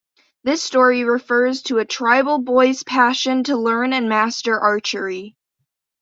This story refers to a tribal boy's passion to learn and master archery.